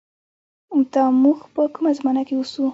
دا مونږ په کومه زمانه کښې اوسو